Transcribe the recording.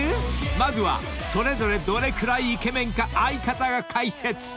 ［まずはそれぞれどれくらいイケメンか相方が解説］